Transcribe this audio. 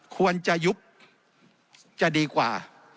ควรจะยุบจะดีกว่า